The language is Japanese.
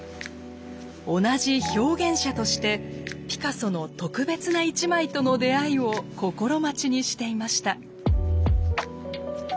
同じ表現者としてピカソの特別な一枚との出会いを心待ちにしていました。